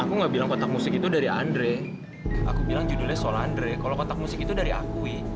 aku nggak bilang kotak musik itu dari andre aku bilang judulnya soal andre kalau kotak musik itu dari aku